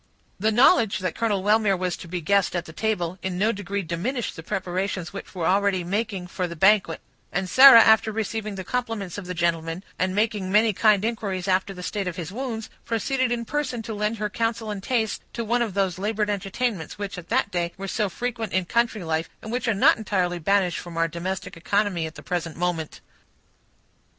The knowledge that Colonel Wellmere was to be a guest at the table in no degree diminished the preparations which were already making for the banquet; and Sarah, after receiving the compliments of the gentleman, and making many kind inquiries after the state of his wounds, proceeded in person to lend her counsel and taste to one of those labored entertainments, which, at that day, were so frequent in country life, and which are not entirely banished from our domestic economy at the present moment.